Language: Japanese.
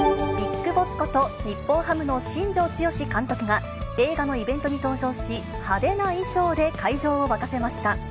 ビッグボスこと、日本ハムの新庄剛志監督が、映画のイベントに登場し、派手な衣装で会場を沸かせました。